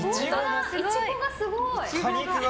イチゴがすごい！